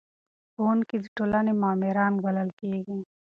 ښوونکي د ټولنې معماران بلل کیږي.